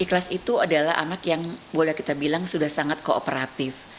ikhlas itu adalah anak yang boleh kita bilang sudah sangat kooperatif